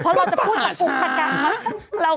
ก็ป่าช้า